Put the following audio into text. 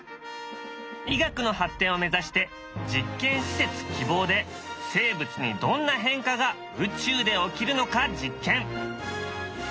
医学の発展を目指して実験施設「きぼう」で生物にどんな変化が宇宙で起きるのか実験。